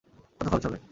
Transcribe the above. কত খরচ হবে?